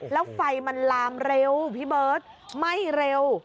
แล้วไฟมันลามเร็วพี่เบิร์ตไหม้เร็ว